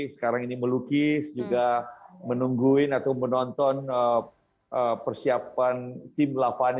sekarang ini melukis juga menungguin atau menonton persiapan tim lavani